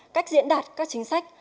cách diễn đạt các chính sách